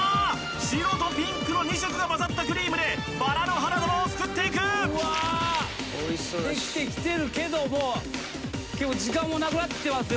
白とピンクの２色が混ざったクリームでバラの花束を作っていくできてきてるけども結構時間もなくなってきてますよ